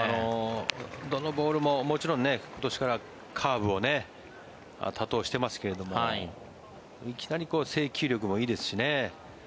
どのボールももちろん、今年からカーブを多投してますけども制球力もいいですしね。